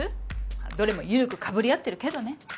まあどれも緩くかぶり合ってるけどね